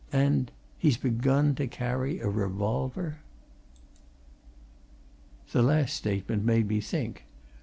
And he's begun to carry a revolver." The last statement made me think.